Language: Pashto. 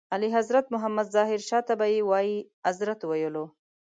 اعلیحضرت محمد ظاهر شاه ته به یې وایي اذرت ویلو.